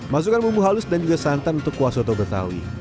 masukkan bumbu halus dan juga santan untuk kuah soto betawi